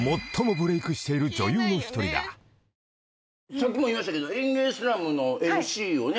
さっきも言いましたけど『ＥＮＧＥＩグランドスラム』のＭＣをね。